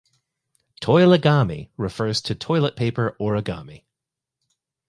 "Toilegami" refers to toilet paper origami.